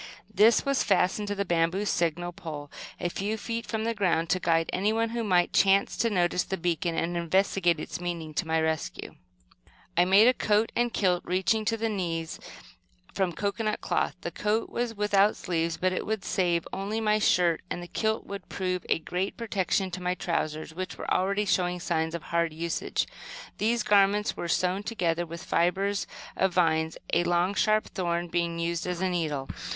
This was fastened to the bamboo signal pole, a few feet from the ground, to guide anyone who might chance to notice the beacon and investigate its meaning, to my rescue. I made a coat and kilt reaching to the knees, from cocoanut cloth. The coat was without sleeves, but it would save my only shirt, and the kilt would prove a great protection to my trousers, which were already showing signs of hard usage. These garments were sewn together with fibres of vines, a long, sharp thorn being used as a needle.